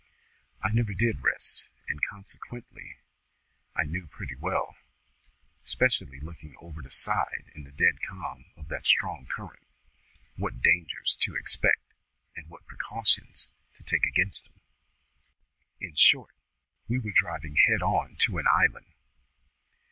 I never did rest, and consequently I knew pretty well ('specially looking over the side in the dead calm of that strong current) what dangers to expect, and what precautions to take against 'em. In short, we were driving head on to an island.